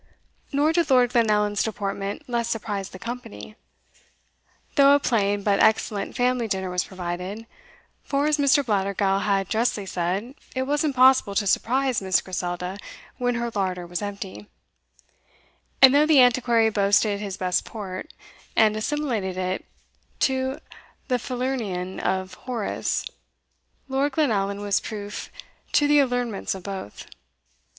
Nor did Lord Glenallan's deportment less surprise the company. Though a plain but excellent family dinner was provided (for, as Mr. Blattergowl had justly said, it was impossible to surprise Miss Griselda when her larder was empty), and though the Antiquary boasted his best port, and assimilated it to the Falernian of Horace, Lord Glenallan was proof to the allurements of both.